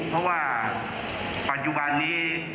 เพราะว่าปัจจุบันนี้